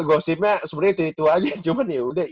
gosipnya sebenernya itu aja cuman ya udah